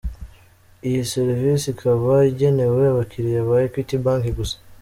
Iyi serivisi ikaba igenewe abakiliya ba Equity Bank gusa.